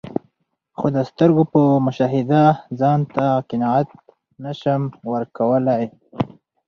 خو د سترګو په مشاهده ځانته قناعت نسم ورکول لای.